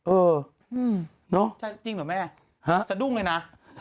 เออเนอะใช่จริงเหรอแม่สะดุ้งเลยนะ